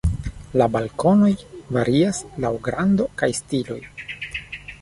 La balkonoj varias laŭ grando kaj stiloj.